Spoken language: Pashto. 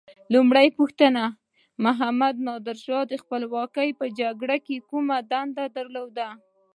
لومړۍ پوښتنه: محمد نادر خان د خپلواکۍ په جګړه کې کومه دنده درلوده؟